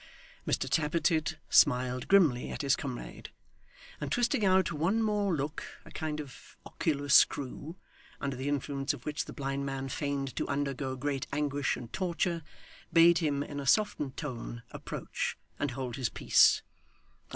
Mr Tappertit smiled grimly at his comrade; and twisting out one more look a kind of ocular screw under the influence of which the blind man feigned to undergo great anguish and torture, bade him, in a softened tone, approach, and hold his peace.